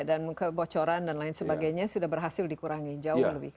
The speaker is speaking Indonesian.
dan kebocoran dan lain sebagainya sudah berhasil dikurangi jauh lebih